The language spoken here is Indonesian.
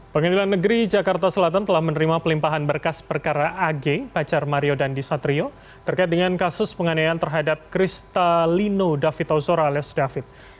pengadilan negeri jakarta selatan telah menerima pelimpahan berkas perkara ag pacar mario dandisatrio terkait dengan kasus penganiayaan terhadap kristalino david ozora alias david